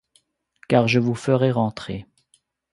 Car je vous ferai rentrer.